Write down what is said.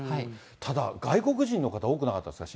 ただ、外国人の方多くなかったですか？